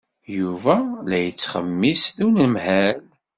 Yuba la yettxemmis d unemhal.